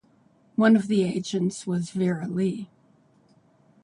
One of the agents was Vera Leigh.